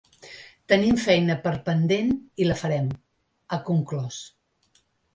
Tenim feina per pendent i la farem, ha conclòs.